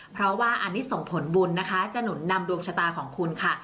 เพราะว่าอันนี้ส่งผลบุญนะคะจะหนุนนำดวงชะตาของคุณค่ะ